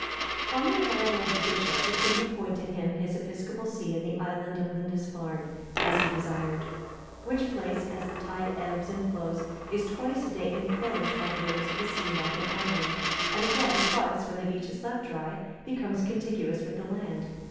(296) On the arrival of the bishop, the king appointed him his episcopal see in the island of Lindisfarne,(297) as he desired. Which place, as the tide ebbs and flows, is twice a day enclosed by the waves of the sea like an island; and again, twice, when the beach is left dry, becomes contiguous with the land.